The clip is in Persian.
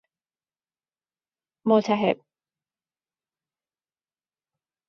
متلهب